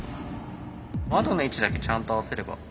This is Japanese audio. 窓の位置だけちゃんと合わせれば。